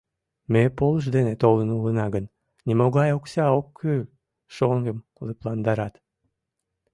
— Ме полыш дене толын улына гын, нимогай окса ок кӱл, — шоҥгым лыпландарат.